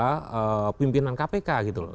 pemimpinan kpk gitu loh